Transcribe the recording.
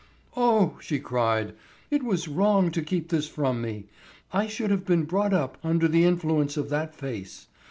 "Oh!" she cried; "it was wrong to keep this from me; I should have been brought up under the influence of that face."